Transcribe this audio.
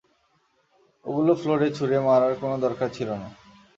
এগুলো ফ্লোরে ছুড়ে মারার কোনও দরকার ছিল না।